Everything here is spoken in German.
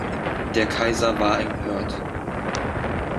Der Kaiser war empört.